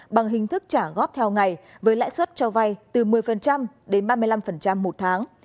bằng hình thức trả góp theo ngày với lãi suất cho vay từ một mươi đến ba mươi năm một tháng